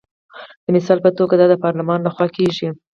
د مثال په توګه دا د پارلمان لخوا کیږي.